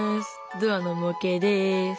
ドアの模型です。